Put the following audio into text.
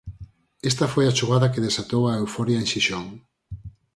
Esta foi a xogada que desatou a euforia en Xixón.